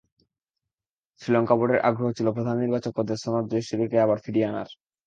শ্রীলঙ্কা বোর্ডের আগ্রহ ছিল প্রধান নির্বাচক পদে সনাৎ জয়াসুরিয়াকে আবার ফিরিয়ে আনার।